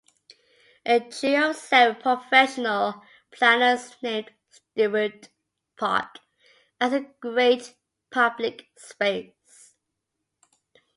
A jury of seven professional planners named Stuart Park as the Great Public Space.